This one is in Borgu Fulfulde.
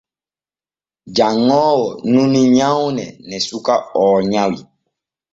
Janŋoowo numi nyawne ne suka o nyawi.